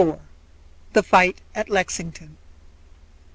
THE FIGHT AT LEXINGTON.